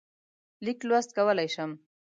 لیک لوست کولای شم.